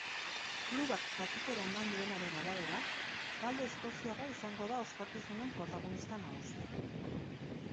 Klubak jakitera eman duenaren arabera, talde eskoziarra izango da ospakizunen protagonista nagusia.